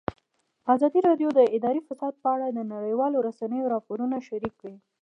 ازادي راډیو د اداري فساد په اړه د نړیوالو رسنیو راپورونه شریک کړي.